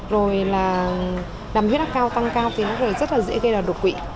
rồi là nằm huyết áp cao tăng cao thì nó rất là dễ gây đột quỷ